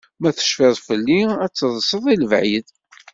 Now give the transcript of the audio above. Ma tecfiḍ felli, ad d-teḍseḍ i lebɛid.